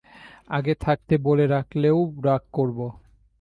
আগে থাকতে বলে রাখলেও রাগ করব।